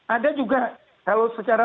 ada juga kalau secara